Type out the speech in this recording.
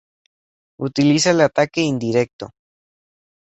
Utiliza el ataque indirecto.